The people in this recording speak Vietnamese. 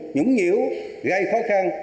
nhũng nhếu gây khó khăn